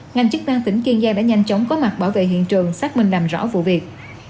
ngành chức năng tỉnh kiên giang đã nhanh chóng có mặt bảo vệ hiện trường xác minh làm rõ vụ việc